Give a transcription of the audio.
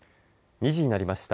２時になりました。